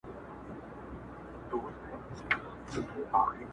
چي ته حال راكړې گرانه زه درځمه.